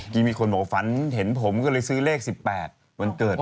ยังมีคนโหมฟันเห็นผมก็เลยซื้อเลข๑๘วันเกิด